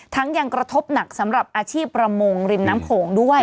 ยังกระทบหนักสำหรับอาชีพประมงริมน้ำโขงด้วย